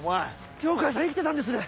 羌さん生きてたんですね！